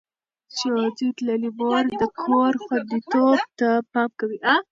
ښوونځې تللې مور د کور خوندیتوب ته پام کوي.